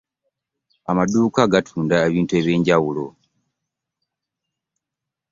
Amaduuka gatunda ebintu eby'enjawulo.